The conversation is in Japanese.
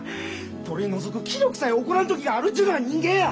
取り除く気力さえ起こらん時があるっちゅうのが人間や！